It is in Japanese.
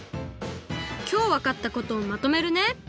きょうわかったことをまとめるね。